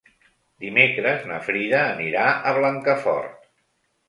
Dimecres na Frida anirà a Blancafort.